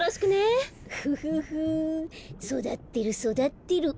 そだってるそだってる。